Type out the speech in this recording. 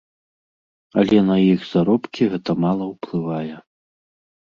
Але на іх заробкі гэта мала ўплывае.